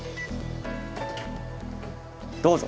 どうぞ。